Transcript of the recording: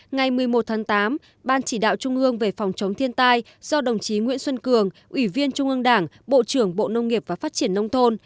ngày một mươi một tháng tám ban chỉ đạo trung ương về phòng chống thiên tai do đồng chí nguyễn xuân cường ủy viên trung ương đảng bộ trưởng bộ nông nghiệp và phát triển nông thôn